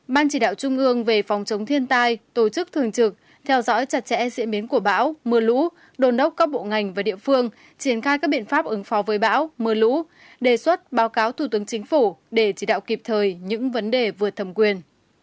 ban chỉ đạo trung ương về phòng chống thiên tai tổ chức thường trực theo dõi chặt chẽ diễn biến của bão mưa lũ đồn đốc các bộ ngành và địa phương triển khai các biện pháp ứng phó với bão mưa lũ đề xuất báo cáo thủ tướng chính phủ để chỉ đạo kịp thời những vấn đề vượt thẩm quyền